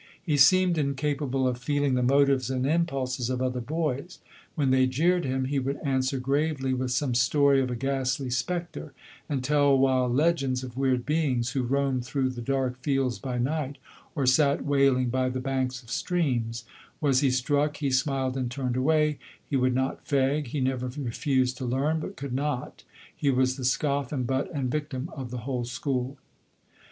He seemed incapable of feeling the motives and impulses of other boys: when they jeered him, he would answer gravely with some story of a ghastly spectre, and tell wild legends of weird beings, who roamed through the dark fields bv night, O J CD 7 or sat wailing by the banks of streams: was he struck, he smiled and turned away ; he would not fag; he never refused to learn, but' could not ; he was the scoff, and butt, and victim, of the whole school.